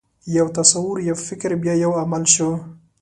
یو تصور، یو فکر، بیا یو عمل شو.